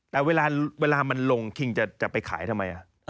แต่เวลามันลงคิงจะไปขายทำไม